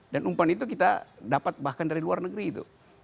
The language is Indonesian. dan umpan itu kita dapat bahkan dari luar negeri itu